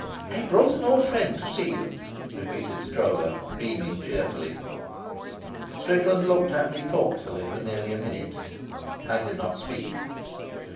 "I've brought an old friend to see you," repeated Stroeve, beaming cheerfully. Strickland looked at me thoughtfully for nearly a minute. I did not speak.